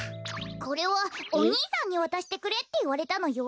これはおにいさんにわたしてくれっていわれたのよ。